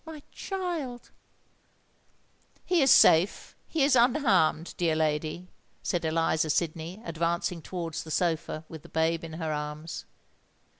my child!" "He is safe—he is unharmed, dear lady," said Eliza Sydney, advancing towards the sofa with the babe in her arms.